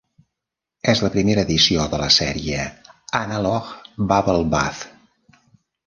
És la primera edició de la sèrie "Analogue Bubblebath".